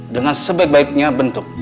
dengan sebaik baiknya bentuk